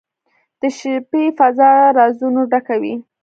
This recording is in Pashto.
• د شپې فضاء د رازونو ډکه وي.